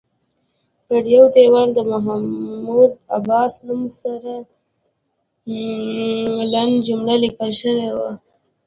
پر یوه دیوال د محمود عباس نوم سره لنډه جمله لیکل شوې وه.